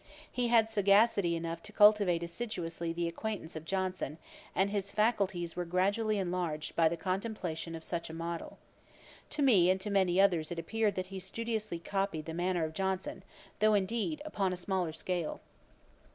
He had sagacity enough to cultivate assiduously the acquaintance of Johnson, and his faculties were gradually enlarged by the contemplation of such a model. To me and many others it appeared that he studiously copied the manner of Johnson, though, indeed, upon a smaller scale.